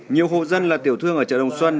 nhiều hộ dân là tiểu thương ở chợ đồng xuân